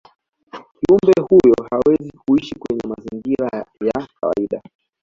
kiumbe huyo hawezi kuishi kwenye mazingira ya kawaida